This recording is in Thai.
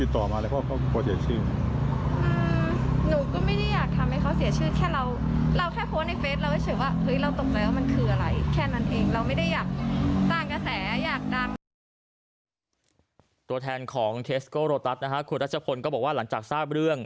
ตัวแทนของเทสโกโรตัสคุณรัชพลก็บอกว่าหลังจากทราบเรื่อง